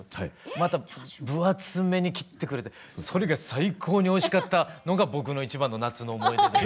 また分厚めに切ってくれてそれが最高においしかったのが僕の一番の夏の思い出です。